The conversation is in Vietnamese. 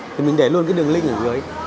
thì mình để luôn cái đường link ở dưới